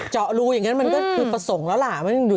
เจาะรูอย่างนั้นมันก็คือประสงค์แล้วล่ะ